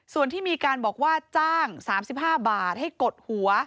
ส่วนที่มีการบอกว่าจ้าง๓๕บาทให้กดหัว